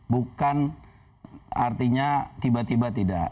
bukan artinya tiba tiba tidak